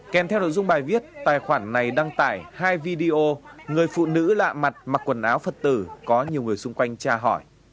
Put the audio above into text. kèm theo nội dung bài viết tài khoản này đăng tải hai video người phụ nữ lạ mặt mặc quần áo phật tử có nhiều người xung quanh tra hỏi